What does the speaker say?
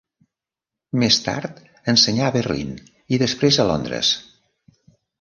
Més tard ensenyà a Berlín i després a Londres.